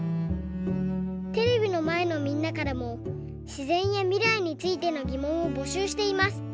テレビのまえのみんなからもしぜんやみらいについてのぎもんをぼしゅうしています。